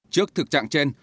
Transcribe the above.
trước thực trạng trên